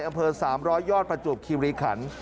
อำเภอ๓๐๐ยอดประจวบคิริขัน